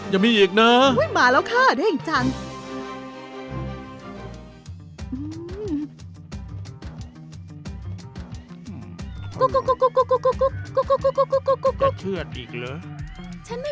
หอมสับอ่ะ